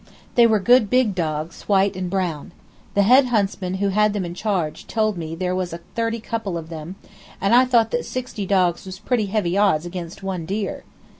They were good big dogs, white and brown. The head huntsman who had them in charge told me there was thirty couple of them, and I thought that sixty dogs was pretty heavy odds against one deer.